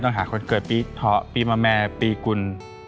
เป็นช่วงที่เกิดปีเทาปีแมมแมร์ปีกุล